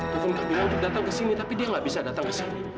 telepon camilla datang ke sini tapi dia gak bisa datang ke sini